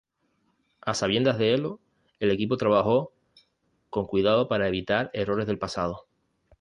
A sabiendas de elo, el equipo trabajó con cuidado para evitar errores del pasado.